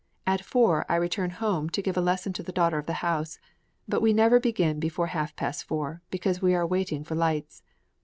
At four I return home to give a lesson to the daughter of the house: but we never begin before half past four, because we are waiting for lights.